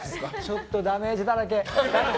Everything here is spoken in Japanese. ちょっとダメージだらけ。